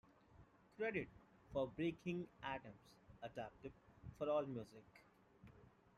Credits for "Breaking Atoms" adapted from Allmusic.